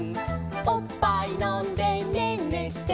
「おっぱい飲んでねんねして」